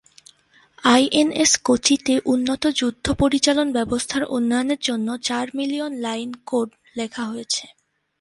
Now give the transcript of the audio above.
INS কোচিতে উন্নত যুদ্ধ পরিচালন ব্যবস্থার উন্নয়নের জন্য চার মিলিয়ন লাইন কোড লেখা হয়েছে।